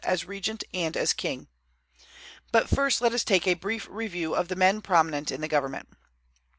as regent and as king. But first let us take a brief review of the men prominent in the government.